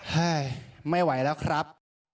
ให้ไม่ไหวแล้วครับ